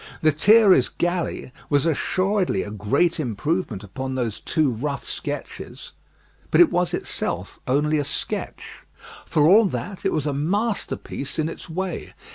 "Lethierry's Galley" was assuredly a great improvement upon those two rough sketches; but it was itself only a sketch. For all that, it was a masterpiece in its way.